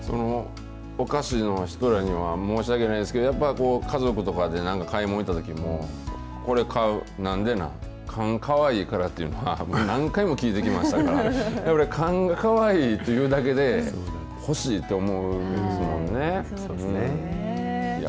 お菓子の人らには申し訳ないですけど、やっぱり家族とかで買い物に行ったときにも、これ買う、なんでなん？缶かわいいからっていうのは、もう何回も聞いてきましたから、缶がかわいいというだけで、そうですよね。